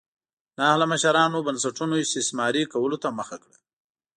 نااهله مشرانو بنسټونو استثماري کولو ته مخه کړه.